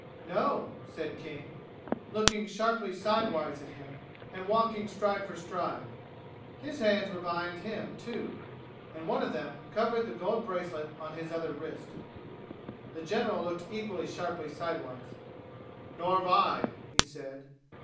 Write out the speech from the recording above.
"No," said King, looking sharply sidewise at him and walking stride for stride. His hands were behind him, too, and one of them covered the gold bracelet on his other wrist. The general looked equally sharply sidewise. "Nor've I," he said.